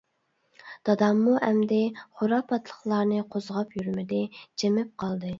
داداممۇ ئەمدى خۇراپاتلىقلارنى قوزغاپ يۈرمىدى، جىمىپ قالدى.